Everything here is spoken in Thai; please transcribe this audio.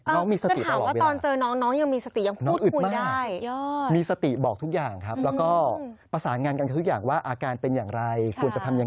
น้องมีสติตลอดเวลาต้องถามว่าตอนเจอน้อง